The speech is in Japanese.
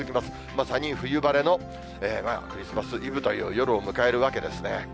まさに冬晴れのクリスマスイブという夜を迎えるわけですね。